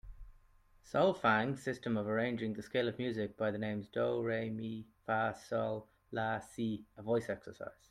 Solfaing system of arranging the scale of music by the names do, re, mi, fa, sol, la, si a voice exercise.